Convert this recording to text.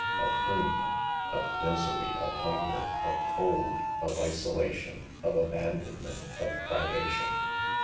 " Of whom ? Of misery, of hunger, of cold, of isolation, of abandonment, of privation.